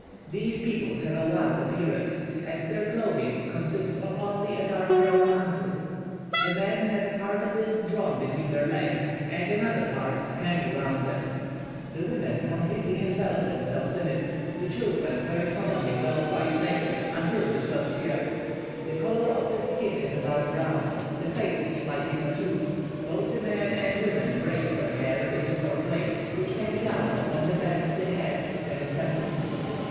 These people have a wild appearance, and their clothing consists of only a dark brown mantle. The men have a part of this drawn between the legs, and another part hung round them; the women completely envelop themselves in it; the children very commonly go quite naked until the twelfth year. The colour of their skin is a dark brown, the face slightly tattooed: both the men and women braid their hair into four plaits, which hang down upon the back of the head and temples.